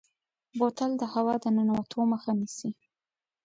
بوتل د هوا د ننوتو مخه نیسي.